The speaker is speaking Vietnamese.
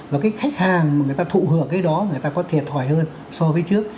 và cái khách hàng mà người ta thụ hưởng cái đó người ta có thiệt thòi hơn so với trước